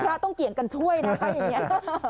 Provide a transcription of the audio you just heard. คุณพระต้องเกี่ยงกันช่วยนะฮะอย่างเนี้ย